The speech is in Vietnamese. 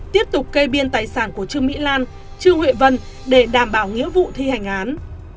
tiếp tục kê biên tài sản của trương mỹ lan trương huệ vân để đảm bảo nghĩa vụ thi hành án